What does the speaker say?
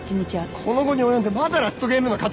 この期に及んでまだラストゲームの勝ち負けかよ！